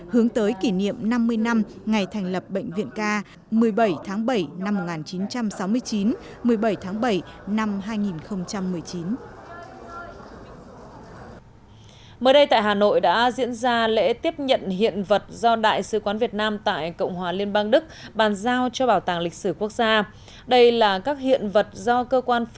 hướng tới kỷ niệm năm mươi năm ngày thành lập bệnh viện k